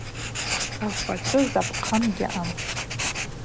Афачӏвы запхъам гьаъам.